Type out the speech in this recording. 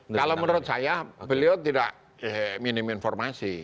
kalau menurut saya beliau tidak minim informasi